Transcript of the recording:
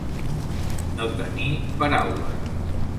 No tenir paraules.